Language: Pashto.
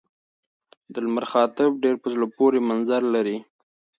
د لمر خاته ډېر په زړه پورې منظر لري.